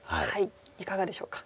いかがでしょうか？